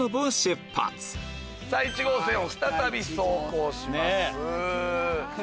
１号線を再び走行します。